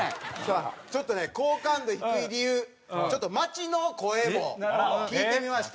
ちょっとね好感度低い理由ちょっと街の声も聞いてみましたので。